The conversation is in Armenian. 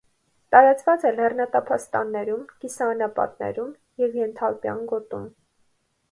Տարածված է լեռնատափաստաններում, կիսաանապատներում և ենթալպյան գոտում։